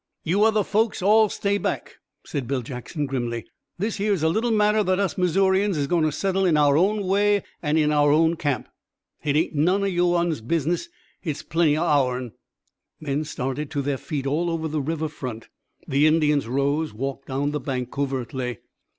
"You other folks all stay back," said Bill Jackson grimly. "This here is a little matter that us Missourians is goin' to settle in our own way an' in our own camp. Hit ain't none o' you uns' business. Hit's plenty o' ourn." Men started to their feet over all the river front. The Indians rose, walked down the bank covertly.